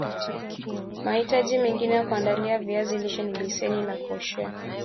mahitaji mengine ya kuandalia viazi lishe ni beseni la kuoshea